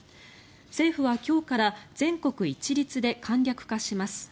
政府は今日から全国一律で簡略化します。